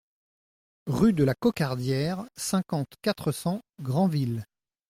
Rue de la Cocardière, cinquante, quatre cents Granville